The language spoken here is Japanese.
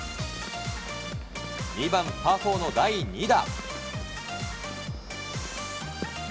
２番パー４の第２打。